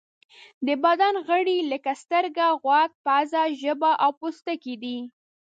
د بدن غړي لکه سترګه، غوږ، پزه، ژبه او پوستکی دي.